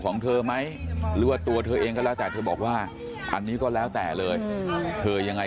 ของเธอไหมเลือดตัวเธอยังค่ะแล้วจะเบาบอกว่าอันนี้ก็แล้วแต่เลยเตยังไง